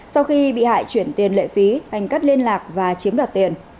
sau khi bị hại chuyển tiền lệ phí anh cắt liên lạc và chiếm đoạt tiền